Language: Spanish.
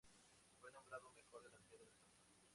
Fue nombrado mejor delantero del torneo.